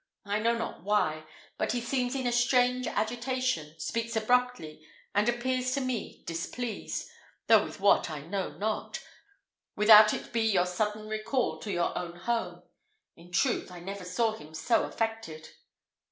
I know not why, but he seems in a strange agitation, speaks abruptly, and appears to me displeased, though with what I know not, without it be your sudden recall to your own home. In truth, I never saw him so affected."